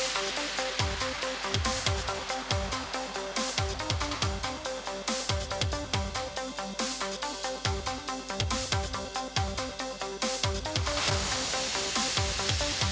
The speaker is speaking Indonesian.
saya rizky harisnanda pamit dan salam olahraga